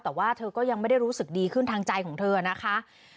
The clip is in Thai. แต่ว่าเธอก็ยังไม่ได้รู้สึกดีขึ้นทางใจของเธอนะคะ